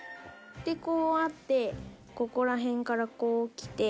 こうあってここら辺からこうきて。